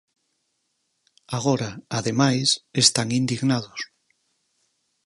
Agora, ademais, están indignados.